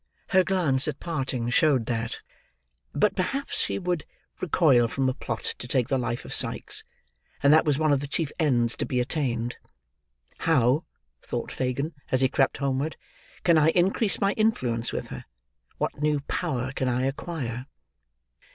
Her glance at parting showed that. But perhaps she would recoil from a plot to take the life of Sikes, and that was one of the chief ends to be attained. "How," thought Fagin, as he crept homeward, "can I increase my influence with her? What new power can I acquire?"